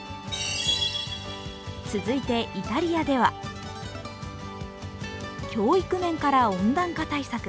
続いてイタリアでは教育面から温暖化対策。